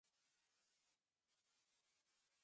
子供だけで遠くへいかない